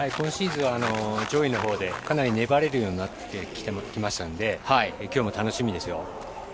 今シーズンは上位のほうでかなり粘れるようになってきましたので今日も楽しみですよ。